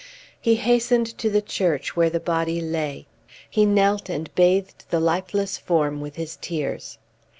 He hastened to the church where the body lay; he knelt and bathed the lifeless form with his tears.